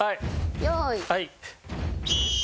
用意。